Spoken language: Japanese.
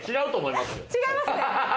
違いますね！